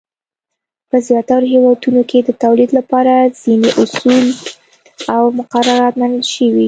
په زیاترو هېوادونو کې د تولید لپاره ځینې اصول او مقررات منل شوي.